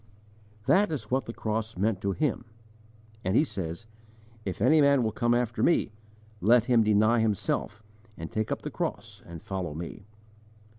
That is what the cross meant to Him. And He says: "If any man will come after Me, let him deny himself, and take up the cross and follow Me."